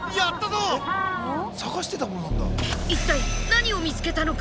一体何を見つけたのか。